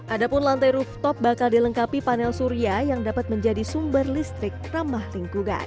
ada pun lantai rooftop bakal dilengkapi panel surya yang dapat menjadi sumber listrik ramah lingkungan